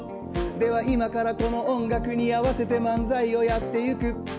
では今からこの音楽に合わせて漫才をやってゆく。